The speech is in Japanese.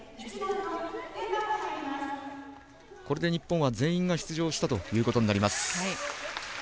これで日本は全員が出場したということになります。